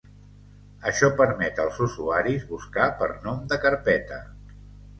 Això permet als usuaris buscar per nom de carpeta.